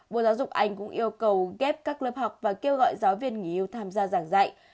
bộ giáo dục anh cũng yêu cầu ghép các lớp học và kêu gọi giáo viên nghỉ hưu tham gia giảng dạy